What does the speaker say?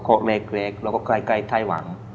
เล็กแล้วก็ใกล้ไทยหวัง